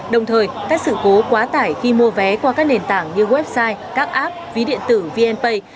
đồng thời các sự cố quá tải khi mua vé qua các nền tảng như website các app ví điện tử vnpay